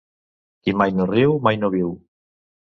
Qui mai no riu, mai no viu.